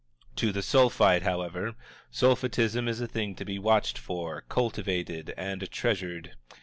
To the Sulphite, however, Sulphitism is a thing to be watched for, cultivated, and treasured.